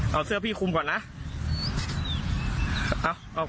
เราต้องไปคุมก่อนนะอ่ะแต่เอาคุม